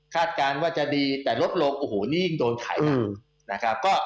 การว่าจะดีแต่ลดลงโอ้โหนี่ยิ่งโดนขายหนักนะครับ